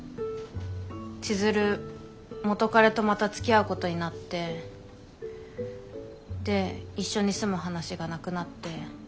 千鶴元彼とまたつきあうことになってで一緒に住む話がなくなって。